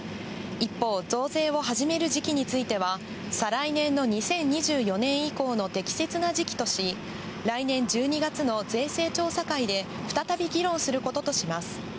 一方、増税を始める時期については、再来年の２０２４年以降の適切な時期とし、来年１２月の税制調査会で、再び議論することとします。